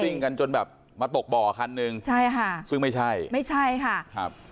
่งกันจนแบบมาตกบ่อคันหนึ่งใช่ค่ะซึ่งไม่ใช่ไม่ใช่ค่ะครับ